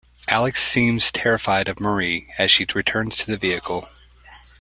Alex seems terrified of Marie as she returns to the vehicle.